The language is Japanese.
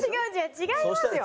違いますよ